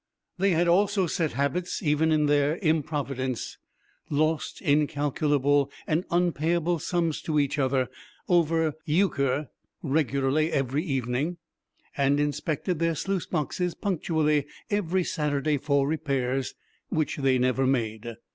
They had also set habits even in their improvidence, lost incalculable and unpayable sums to each other over euchre regularly every evening, and inspected their sluice boxes punctually every Saturday for repairs which they never made.